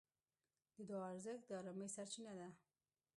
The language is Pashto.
د دعا ارزښت د ارامۍ سرچینه ده.